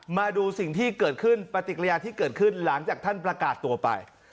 มาดูสิ่งที่เกิดขึ้นปฏิกิริยาที่เกิดขึ้นหลังจากท่านประกาศตัวไป